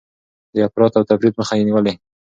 د افراط او تفريط مخه يې نيولې.